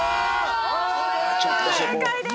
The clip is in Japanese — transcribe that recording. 正解です。